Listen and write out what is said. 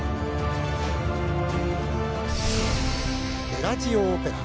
ベラジオオペラ。